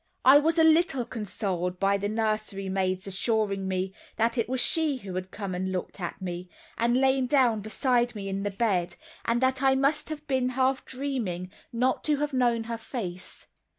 I was a little consoled by the nursery maid's assuring me that it was she who had come and looked at me, and lain down beside me in the bed, and that I must have been half dreaming not to have known her face.